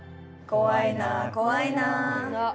怖いな怖いな。